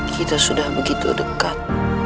kita sudah begitu dekat